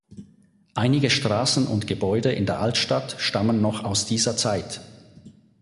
Einige Straßen und Gebäude in der Altstadt stammen noch aus dieser Zeit.